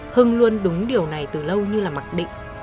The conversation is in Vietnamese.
hưng luôn đúng điều này từ lâu như là mặc định